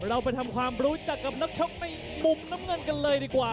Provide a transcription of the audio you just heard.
เราไปทำความรู้จักกับนักชกในมุมน้ำเงินกันเลยดีกว่า